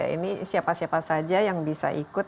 ini siapa siapa saja yang bisa ikut